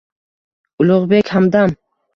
Ulug’bek Hamdam